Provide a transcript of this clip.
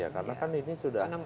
karena kan ini sudah